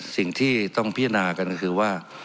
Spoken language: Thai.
สิ่งที่ต้องพินากันคือว่า